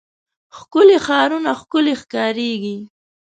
ښکلي ښارونه ښکلي ښکاريږي.